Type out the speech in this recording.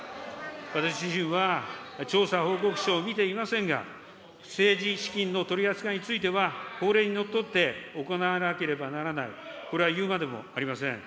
私自身は調査報告書を見ていませんが、政治資金の取り扱いについては、法令にのっとって行わなければならない、これはいうまでもありません。